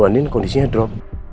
andin kondisinya drop